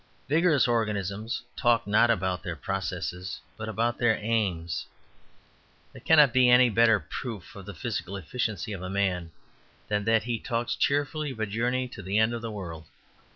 Vigorous organisms talk not about their processes, but about their aims. There cannot be any better proof of the physical efficiency of a man than that he talks cheerfully of a journey to the end of the world.